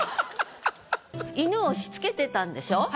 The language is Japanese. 犬をしつけてたんでしょ？